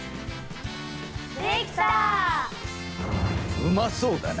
うまそうだな！